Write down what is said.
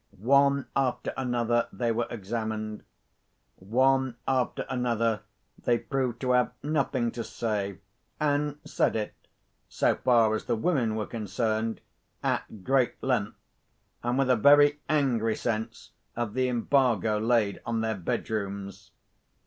One after another, they were examined. One after another, they proved to have nothing to say—and said it (so far as the women were concerned) at great length, and with a very angry sense of the embargo laid on their bedrooms.